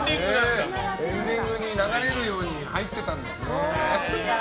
エンディングに流れるように入ってたんですね。